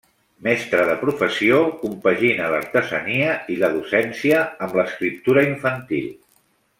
Mestre de professió, compagina l'artesania i la docència amb l'escriptura infantil.